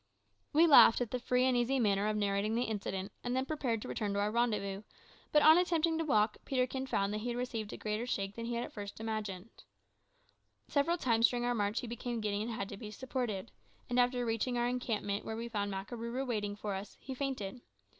We laughed at this free and easy manner of narrating the incident, and then prepared to return to our rendezvous; but on attempting to walk, Peterkin found that he had received a greater shake than at first he had imagined. Several times during our march he became giddy, and had to be supported; and after reaching our encampment, where we found Makarooroo waiting for us, he fainted.